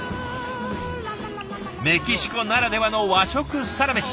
メキシコならではの和食サラメシ